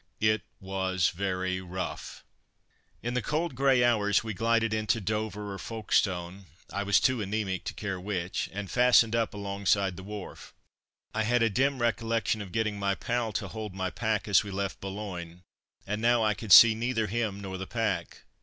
It was very rough.... In the cold grey hours we glided into Dover or Folkestone (I was too anaemic to care which) and fastened up alongside the wharf. I had a dim recollection of getting my pal to hold my pack as we left Boulogne, and now I could see neither him nor the pack.